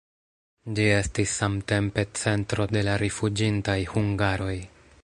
Ĝi estis samtempe centro de la rifuĝintaj hungaroj.